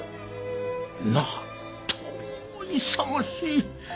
なんと勇ましい！